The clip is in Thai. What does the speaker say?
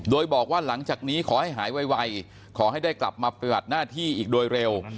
โดยบอกว่าหลังจากนี้ขอให้หายไวขอให้ได้กลับมาปฏิบัติหน้าที่อีกโดยเร็ว